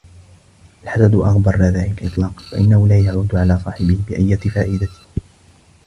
الحسد أغبى الرذائل إطلاقاً فإنه لا يعود على صاحبه بأية فائدة.